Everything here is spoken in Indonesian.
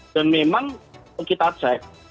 dan memang kita cek